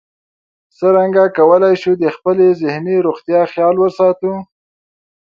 څرنګه کولی شو د خپلې ذهني روغتیا خیال وساتو